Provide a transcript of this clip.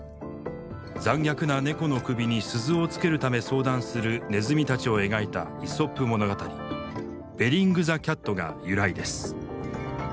残虐な猫の首に鈴をつけるため相談するネズミたちを描いた「イソップ物語」「ベリング・ザ・キャット」が由来です。